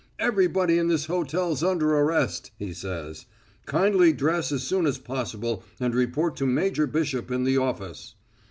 'Everybody in this hotel's under arrest,' he says. 'Kindly dress as soon as possible and report to Major Bishop in the office.'